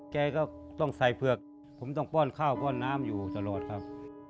แกก็ต้องใส่เผือกผมต้องป้อนข้าวป้อนน้ำอยู่ตลอดครับ